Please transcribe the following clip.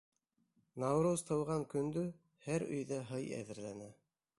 Науруз тыуған көндө һәр өйҙә һый әҙерләнә.